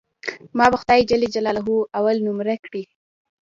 ما به خداى جل جلاله اول نؤمره کي.